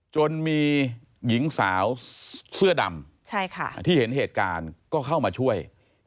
จนมีหญิงสาวเสื้อดำที่เห็นเหตุการณ์ก็เข้ามาช่วย